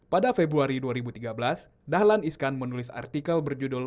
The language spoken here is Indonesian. pada februari dua ribu tiga belas dahlan iskan menulis artikel berjudul